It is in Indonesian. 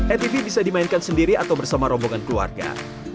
atv bisa dimainkan sendiri atau bersama rombongan keluarga